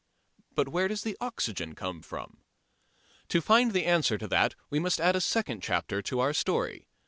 But where does the oxygen come from? To find the answer to that we must add a second chapter to our story.